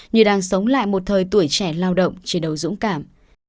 như đang sống lại một thời tuổi trẻ lao động chiến đấu dũng cảm